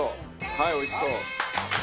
はいおいしそう。